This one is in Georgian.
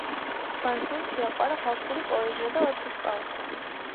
მან შვილს შეაყვარა ხალხური პოეზია და „ვეფხისტყაოსანი“.